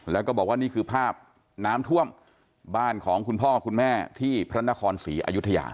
แล้วก็บอกว่านี่คือภาพน้ำท่วมบ้านของคุณพ่อคุณแม่ที่พระนครศรีอยุธยา